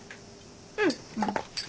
うん。